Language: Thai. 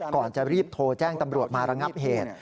ก่อนจะรีบโทรแจ้งตำรวจมาระงับเหตุ